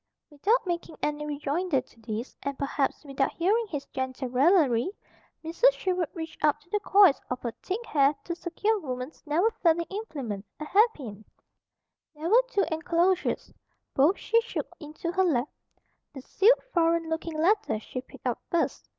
Without making any rejoinder to this, and perhaps without hearing his gentle raillery, Mrs. Sherwood reached up to the coils of her thick hair to secure woman's never failing implement, a hairpin. There were two enclosures. Both she shook into her lap. The sealed, foreign looking letter she picked up first.